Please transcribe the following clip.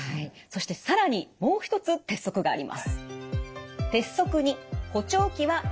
そして更にもう一つ鉄則があります。